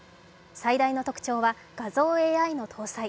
最大の特徴は、画像ＡＩの搭載。